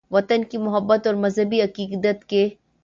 ، وطن کی محبت اور مذہبی عقیدت کے